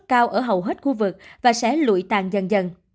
nó sẽ tăng cao ở hầu hết khu vực và sẽ lụi tàn dần dần